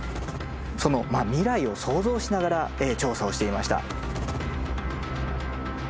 その未来を想像しながら調査をしていました。